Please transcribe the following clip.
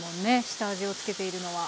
下味を付けているのは。